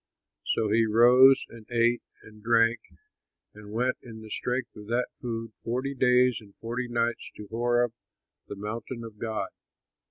So he rose and ate and drank and went in the strength of that food forty days and forty nights to Horeb the mountain of God.